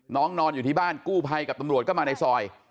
นอนอยู่ที่บ้านกู้ภัยกับตำรวจก็มาในซอย